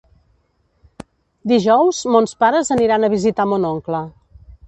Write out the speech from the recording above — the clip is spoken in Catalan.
Dijous mons pares aniran a visitar mon oncle.